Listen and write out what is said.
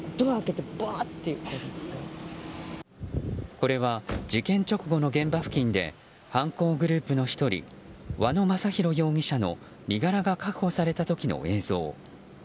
これは事件直後の現場付近で犯行グループの１人和野正弘容疑者の身柄が確保された時の映像。